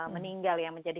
meninggal yang menjadi